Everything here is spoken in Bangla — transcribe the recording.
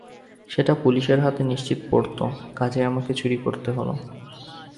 সেটা পুলিসের হাতে নিশ্চিত পড়ত, কাজেই আমাকেই চুরি করতে হল।